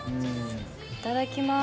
いただきます。